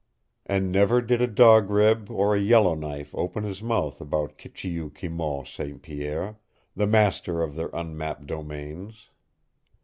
And never did a Dog Rib or a Yellowknife open his mouth about KICHEOO KIMOW St. Pierre, the master of their unmapped domains.